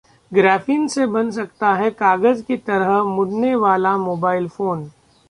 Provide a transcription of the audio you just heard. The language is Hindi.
'ग्रैफीन से बन सकता है कागज की तरह मुड़ने वाला मोबाइल फोन'